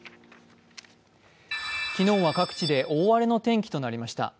昨日は各地で大荒れの天気となりました。